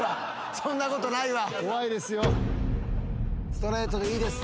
そんなことないわ。